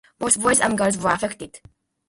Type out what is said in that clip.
Both boys and girls were affected.